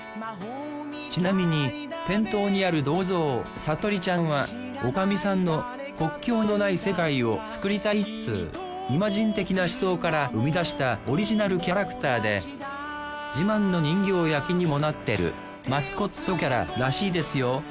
ちなみに店頭にある銅像悟りちゃんは女将さんの国境のない世界を作りたいっつう『イマジン』的な思想から生み出したオリジナルキャラクターで自慢の人形焼にもなってるマスコットキャラらしいですよ